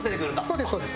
そうですそうです。